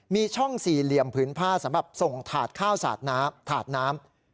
มีช่องสี่เหลี่ยมผืนผ้าสำหรับส่งถาดข้าวสาดน้ำถาดน้ำ